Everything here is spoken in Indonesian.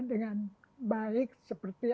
dengan baik seperti